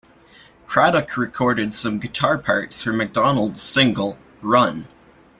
Cradock recorded some guitar parts for Macdonald's single "Run".